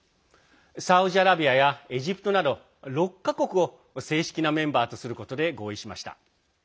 サウジアラビアやエジプトなど６か国を正式なメンバーとすることで合意しました。